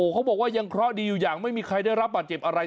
เขาบอกว่ายังเคราะห์ดีอยู่อย่างไม่มีใครได้รับบาดเจ็บอะไร